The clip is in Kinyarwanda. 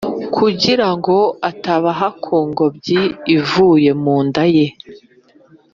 kugira ngo atabaha ku ngobyi ivuye mu nda ye